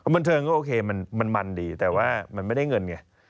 บันเทิงก็โอเคมันมันดีแต่ว่ามันไม่ได้เงินไง